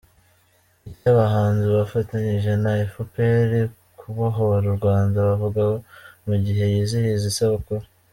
Icyo abahanzi bafatanyije na efuperi kubohora u Rwanda bavuga mu gihe yizihiza isabukuru